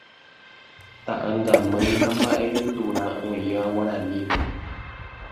Ta'ãngamýi ha mba'erendurã oĩva guaraníme